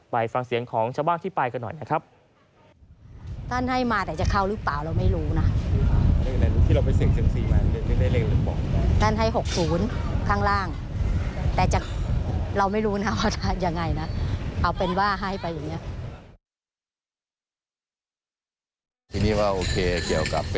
ไปฟังเสียงของชาวบ้านที่ไปกันหน่อยนะครับ